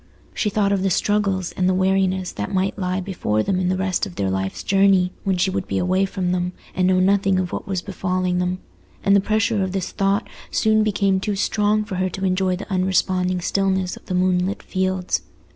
She thought of the struggles and the weariness that might lie before them in the rest of their life's journey, when she would be away from them, and know nothing of what was befalling them; and the pressure of this thought soon became too strong for her to enjoy the unresponding stillness of the moonlit fields.